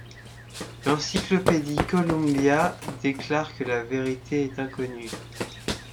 L'encyclopédie Columbia déclare que la vérité est inconnue.